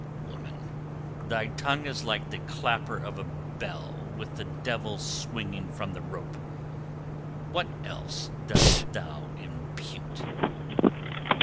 "Woman, thy tongue is like the clapper of a bell with the devil swinging from the rope. What else dost thou impute?"